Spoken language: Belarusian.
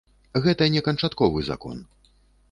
Гэта не канчатковы закон.